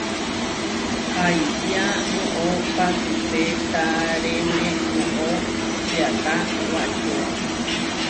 ¿Aitía noʼó pasutétarene noʼó? čiatá wacóa.